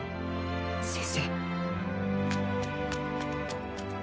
先生。